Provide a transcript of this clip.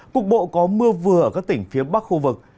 cục bộ có mưa vừa ở các tỉnh phía bắc khu vực